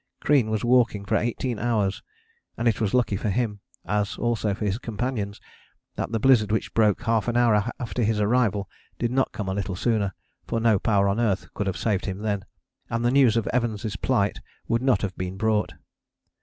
Crean was walking for eighteen hours, and it was lucky for him, as also for his companions, that the blizzard which broke half an hour after his arrival did not come a little sooner, for no power on earth could have saved him then, and the news of Evans' plight would not have been brought.